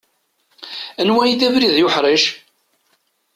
Anwa i d abrid ay uḥric?